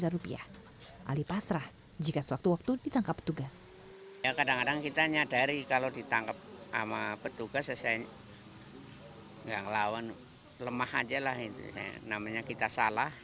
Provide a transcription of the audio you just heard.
ali pasrah jika sewaktu waktu ditangkap petugas